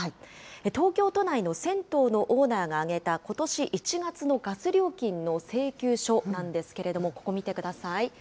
東京都内の銭湯のオーナーがあげたことし１月のガス料金の請求書なんですけれども、ここ見てください。